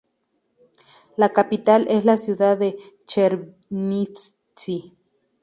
La capital es la ciudad de Chernivtsi.